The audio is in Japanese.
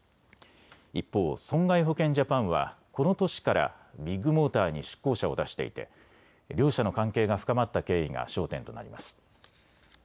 一方、損害保険ジャパンはこの年からビッグモーターに出向者を出していて両社の関係が深まった経緯が焦点となります。